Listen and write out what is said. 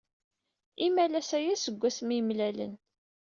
Imalas aya seg wasmi ay mlalen.